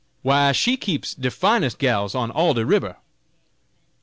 why she keeps the finest gals on all de ribber."